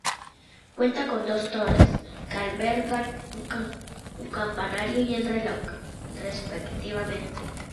Cuenta con dos torres, que albergan un campanario y el reloj, respectivamente.